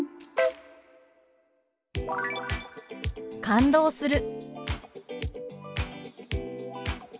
「感動する」。